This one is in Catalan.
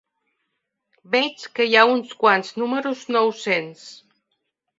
Veig que hi ha uns quants números nou-cents.